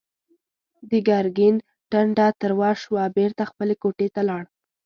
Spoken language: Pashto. د ګرګين ټنډه تروه شوه، بېرته خپلې کوټې ته لاړ.